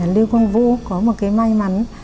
lưu quang vũ có một cái may mắn